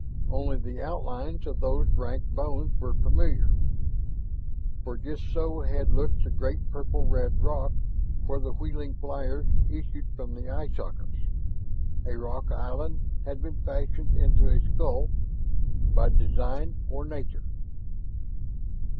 Only the outlines of those ranked bones were familiar; for just so had looked the great purple red rock where the wheeling flyers issued from the eye sockets. A rock island had been fashioned into a skull by design or nature?